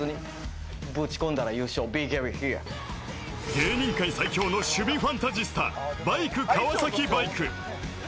芸人界最強の守備ファンタジスタバイク川崎バイク。